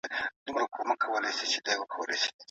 ځنګلونه د وحشي ژوو د ژوند ځای هم دي.